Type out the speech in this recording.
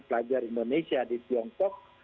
pelajar indonesia di tiongkok